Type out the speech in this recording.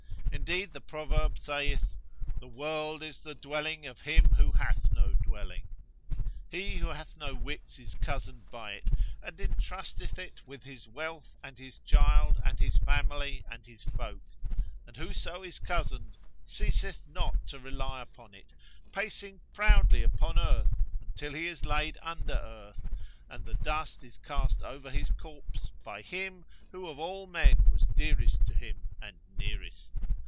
Indeed, the proverb saith,'The world is the dwelling of him who hath no dwelling': he who hath no wits is cozened by it and entrusteth it with his wealth and his child and his family and his folk; and whoso is cozened ceaseth not to rely upon it, pacing proudly upon earth until he is laid under earth and the dust is cast over his corpse by him who of all men was dearest to him and nearest.